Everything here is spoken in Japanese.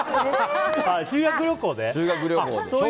修学旅行で。